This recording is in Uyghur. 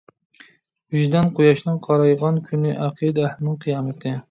ۋىجدان قۇياشىنىڭ قارايغان كۈنى ئەقىدە ئەھلىنىڭ قىيامىتى.